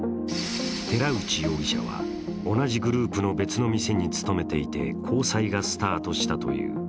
寺内容疑者は、同じグループの別の店に勤めていて交際がスタートしたという。